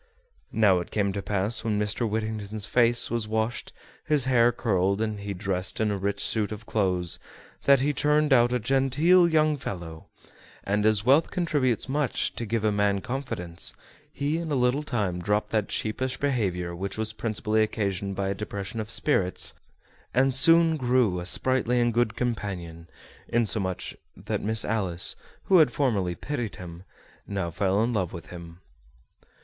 Now it came to pass when Mr. Whittington's face was washed, his hair curled, and he dressed in a rich suit of clothes, that he turned out a genteel young fellow; and, as wealth contributes much to give a man confidence, he in a little time dropped that sheepish behavior which was principally occasioned by a depression of spirits, and soon grew a sprightly and good companion, insomuch that Miss Alice, who had formerly pitied him, now fell in love with him.